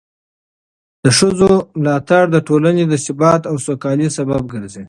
د ښځو ملاتړ د ټولنې د ثبات او سوکالۍ سبب ګرځي.